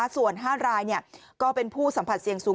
ส่วน๕รายก็เป็นผู้สัมผัสเสี่ยงสูง